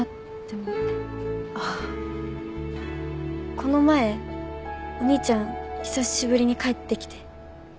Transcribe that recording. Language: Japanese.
この前お兄ちゃん久しぶりに帰ってきて。